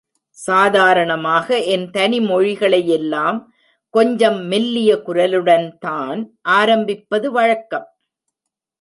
சாதாரணமாக என் தனி மொழிகளையெல்லாம் கொஞ்சம் மெல்லிய குரலுடன்தான் ஆரம்பிப்பது வழக்கம்.